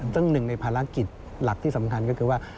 ซึ่งหนึ่งในภารกิจหลักที่สำคัญก็คือว่า